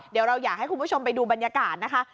เดี๋ยวเราอยากให้คุณผู้ชมไปดูบรรยากาศนะคะ